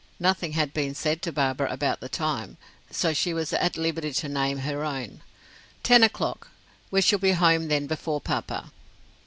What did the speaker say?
Nothing had been said to Barbara about the time, so she was at liberty to name her own. "Ten o'clock. We shall be home then before papa."